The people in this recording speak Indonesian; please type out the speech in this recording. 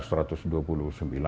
tapi kalau kita lihat di indonesia